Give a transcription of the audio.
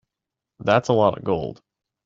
That's a lot of gold.